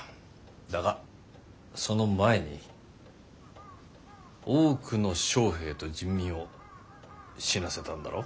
だがその前に多くの将兵と人民を死なせたんだろう。